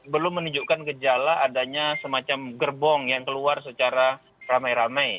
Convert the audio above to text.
belum menunjukkan gejala adanya semacam gerbong yang keluar secara ramai ramai